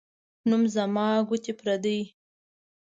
نوم زما ، گوتي پردۍ.